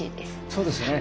そうですよね。